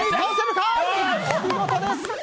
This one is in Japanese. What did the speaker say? お見事です！